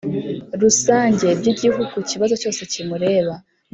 Rusange by igihugu ku kibazo cyose kimureba